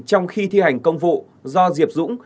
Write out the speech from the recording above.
trong khi thi hành công vụ do diệp dũng